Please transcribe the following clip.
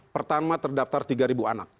pertama terdaftar tiga anak